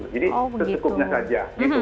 jadi sesukupnya saja